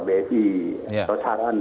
petunjuk dari pkb